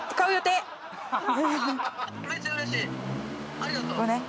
ありがとう。